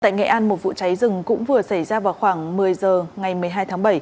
tại nghệ an một vụ cháy rừng cũng vừa xảy ra vào khoảng một mươi giờ ngày một mươi hai tháng bảy